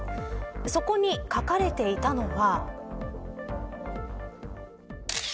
そこに書かれていたのは。